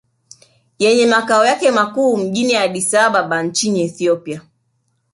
Yenye makao yake makuu mjini Addis Ababa nchini Ethiopia